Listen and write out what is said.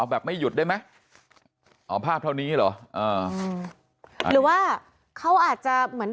ออกเดี๋ยวยุดได้ไหมออกภาพเท่านี้หรอกลิวว่าเขาอาจจะเหมือน